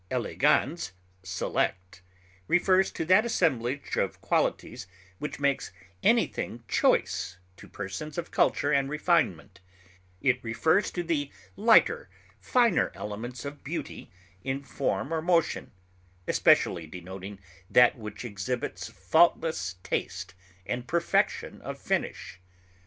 elegans, select) refers to that assemblage of qualities which makes anything choice to persons of culture and refinement; it refers to the lighter, finer elements of beauty in form or motion, especially denoting that which exhibits faultless taste and perfection of finish.